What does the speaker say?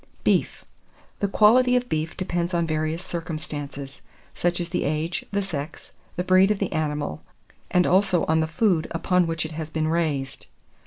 BEEF. The quality of beef depends on various circumstances; such as the age, the sex, the breed of the animal, and also on the food upon which it has been raised.